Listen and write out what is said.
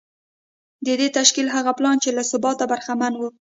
د دې تشکیل هغه پلان چې له ثباته برخمن و